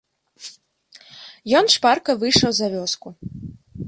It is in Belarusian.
Ён шпарка выйшаў за вёску.